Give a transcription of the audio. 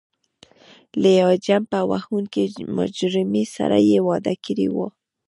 له یوې چمبه وهونکې مجرمې سره یې واده کړی و.